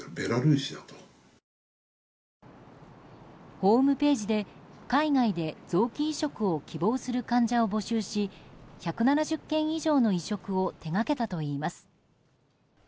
ホームページで海外で臓器移植を希望する患者を募集し１７０件以上の移植を手がけたといいます。